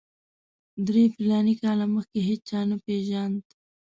درې فلاني کاله مخکې هېچا نه پېژاند.